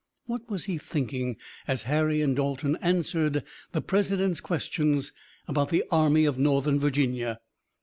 What was he thinking, as Harry and Dalton answered the President's questions about the Army of Northern Virginia?